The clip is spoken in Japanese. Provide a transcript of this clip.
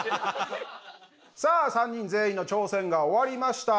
さあ３人全員の挑戦が終わりました。